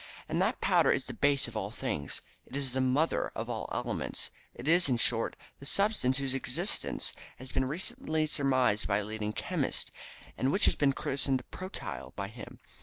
And that powder is the base of all things; it is the mother of all the elements; it is, in short, the substance whose existence has been recently surmised by a leading chemist, and which has been christened protyle by him.